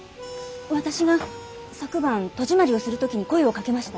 私が昨晩戸締まりをする時に声をかけました。